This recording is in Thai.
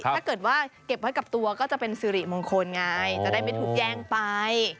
ถ้าเกิดว่าเก็บไว้กับตัวก็จะเป็นสิริมงคลไงจะได้ไม่ถูกแย่งไป